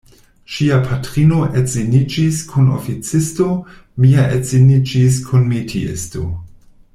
Ŝia patrino edziniĝis kun oficisto, mia edziniĝis kun metiisto.